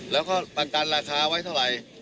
แล้วก็ประกันราคาไว้เท่าไหร่